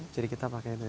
jadi kita pakai ini